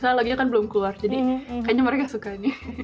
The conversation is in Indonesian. saya lagi kan belum keluar jadi kayaknya mereka suka nih